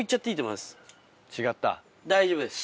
大丈夫です。